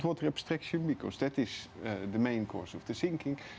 menghentikan abstraksi air tanah karena itu adalah alasan utama penurunan